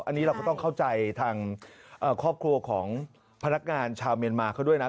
อันนี้เราก็ต้องเข้าใจทางครอบครัวของพนักงานชาวเมียนมาเขาด้วยนะ